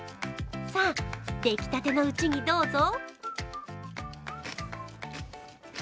さあ、出来たてのうちにどうぞ。